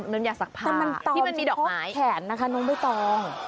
ที่มันมีดอกไม้แต่มันตอมเฉพาะแขนนะคะน้องเบ้อตอม